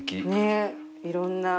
いろんな。